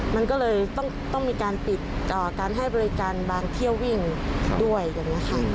มันก็เลยต้องมีการปิดการให้บริการบางเที่ยววิ่งด้วยอย่างนี้ค่ะ